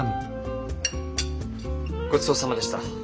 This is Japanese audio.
ごちそうさまでした。